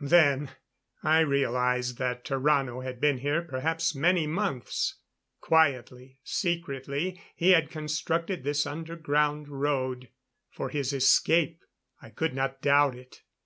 Then I realized that Tarrano had been here perhaps many months. Quietly, secretly he had constructed this underground road. For his escape, I could not doubt it.